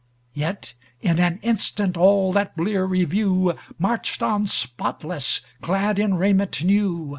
Yet in an instant all that blear reviewMarched on spotless, clad in raiment new.